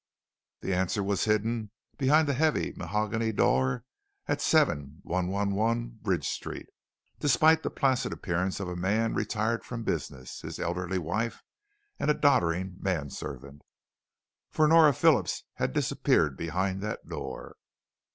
The answer was hidden behind the heavy mahogany door at 7111 Bridge Street, despite the placid appearance of a man retired from business, his elderly wife, and doddering manservant. For Nora Phillips had disappeared behind that door.